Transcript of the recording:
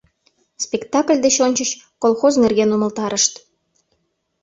Спектакль деч ончыч колхоз нерген умылтарышт.